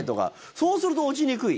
そうすると落ちにくい？